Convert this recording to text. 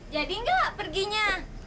jadi gak perginya